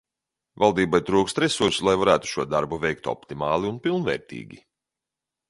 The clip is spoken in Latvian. Valdībai trūkst resursu, lai varētu šo darbu veikt optimāli un pilnvērtīgi.